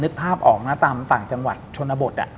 ผมนึกภาพออกมาตามต่างจังหวัดชนบท